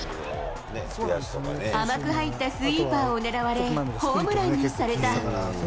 甘く入ったスイーパーを狙われ、ホームランにされた。